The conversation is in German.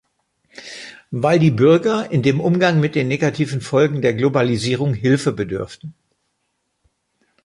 Weil die Bürger in dem Umgang mit den negativen Folgen der Globalisierung Hilfe bedürfen.